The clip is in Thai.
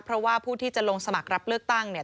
เพราะว่าผู้ที่จะลงสมัครรับเลือกตั้งเนี่ย